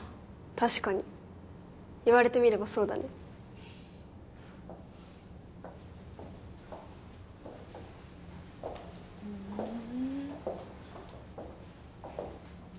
確かに言われてみればそうだねふん